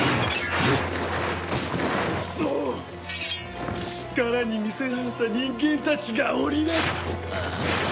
そう力に魅せられた人間たちが織り成す。